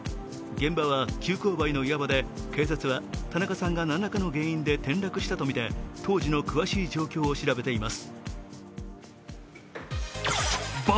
現場は急勾配の岩場で、警察は田中さんが何らかの原因で転落したとみて当時の詳しい状況を調べています。